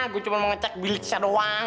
gue cuma mau ngecek bilisnya doang